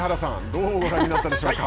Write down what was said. どうご覧になったでしょうか。